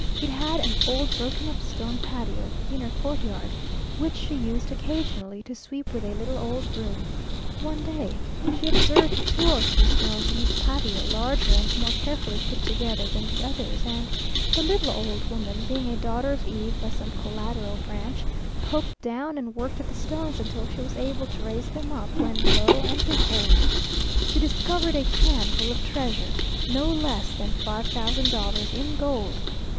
It had an old broken up stone patio (inner courtyard), which she used occasionally to sweep with a little old broom. One day she observed two or three stones in this patio larger and more carefully put together than the others, and the little old woman, being a daughter of Eve by some collateral branch, poked down and worked at the stones until she was able to raise them up when lo and behold, she discovered a can full of treasure; no less than five thousand dollars in gold!